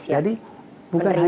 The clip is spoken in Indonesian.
jadi anda harus siap